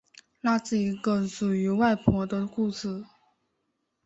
那是一个属于外婆的故事